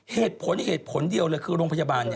เหตุผลเหตุผลเดียวเลยคือโรงพยาบาล